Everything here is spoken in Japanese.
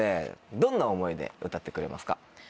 どんな思いで歌ってくれますか？